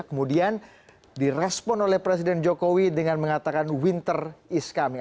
kemudian direspon oleh presiden jokowi dengan mengatakan winter is kami